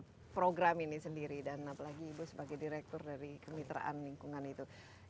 untuk program ini sendiri dan apalagi ibu sebagai direktur dari kemitraan lingkungan itu